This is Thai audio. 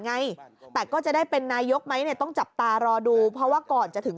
ไงแต่ก็จะได้เป็นนายกไหมเนี่ยต้องจับตารอดูเพราะว่าก่อนจะถึง